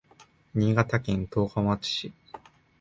新潟県十日町市